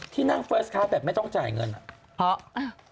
ที่นั่งเฟิร์สค้าแบบไม่ต้องจ่ายเงินอ่ะเพราะ